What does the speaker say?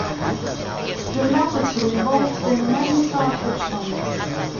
The latter two involved the Magnetar hedge fund.